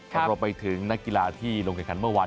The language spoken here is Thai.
เอาเราไปถึงนักกีฬาที่ลงการคันเมื่อวาน